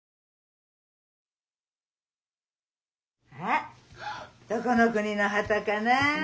あっどこの国の旗かな？